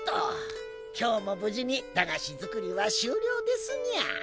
今日もぶじに駄菓子作りは終了ですにゃ。